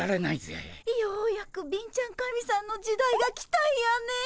ようやく貧ちゃん神さんの時代が来たんやね。